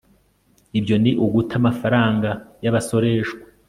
Ibyo ni uguta amafaranga yabasoreshwa